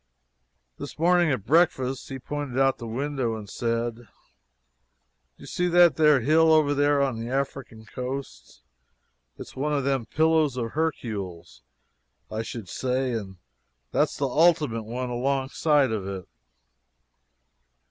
This morning at breakfast he pointed out of the window and said: "Do you see that there hill out there on that African coast? It's one of them Pillows of Herkewls, I should say and there's the ultimate one alongside of it."